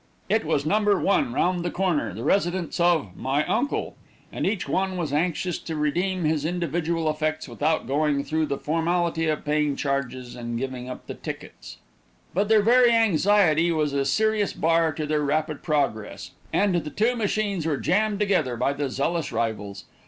It was "No. 1, round the corner," the residence of "My Uncle," and each one was anxious to redeem his individual effects without going through the formality of paying charges and giving up the tickets. But their very anxiety was a serious bar to their rapid progress: and the two machines were jammed together by the zealous rivals.